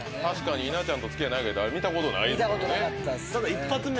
確かに稲ちゃんと付き合い長いけど見たことないですもん。